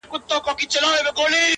• دا د شملو دا د بګړیو وطن,